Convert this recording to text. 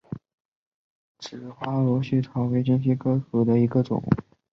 紫花螺序草为茜草科螺序草属下的一个种。